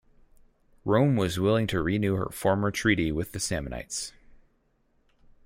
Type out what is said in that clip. Rome was willing to renew her former treaty with the Samnites.